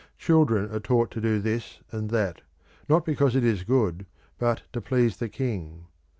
Children are taught to do this and that, not because it is good, but to please the king.